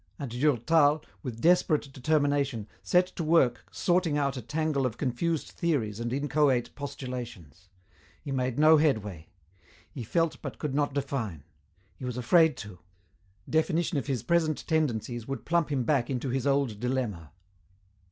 And Durtal, with desperate determination, set to work sorting out a tangle of confused theories and inchoate postulations. He made no headway. He felt but could not define. He was afraid to. Definition of his present tendencies would plump him back into his old dilemma.